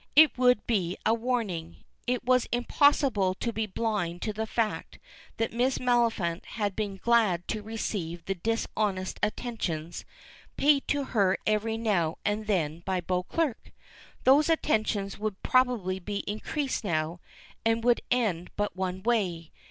It would be a warning. It was impossible to be blind to the fact that Miss Maliphant had been glad to receive the dishonest attentions paid to her every now and then by Beauclerk. Those attentions would probably be increased now, and would end but one way.